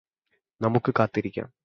നമുക്കു കാത്തിരിക്കാം